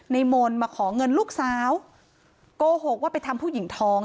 มนต์มาขอเงินลูกสาวโกหกว่าไปทำผู้หญิงท้อง